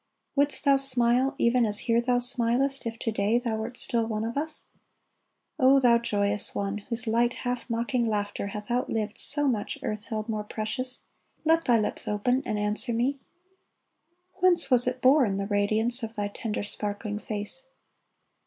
Wouldst thou smile, Even as here thou smilest, if to day Thou wert still of us ? O, thou joyous one. Whose light, half mocking laughter hath outlived So much earth held more precious, let thy lips Open and answer me ! Whence was it born. The radiance of thy tender, sparkling face